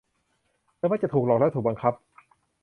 เธอมักจะถูกหลอกและถูกบังคับ